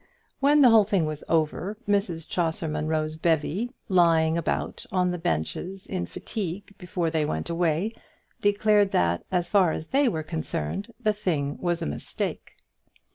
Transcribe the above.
When the whole thing was over, Mrs Chaucer Munro's bevy, lying about on the benches in fatigue before they went away, declared that, as far as they were concerned, the thing was a mistake.